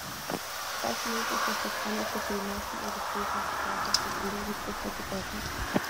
Zweifellos ist das Lateinische für die meisten europäischen Sprachen von ebenso großer Bedeutung.